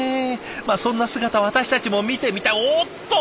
そんな姿私たちも見てみたいおっと！